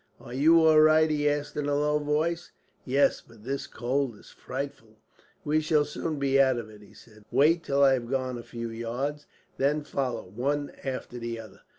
"Are you all right?" he asked, in a low voice. "Yes, but this cold is frightful." "We shall soon be out of it," he said. "Wait till I have gone a few yards, and then follow, one after the other."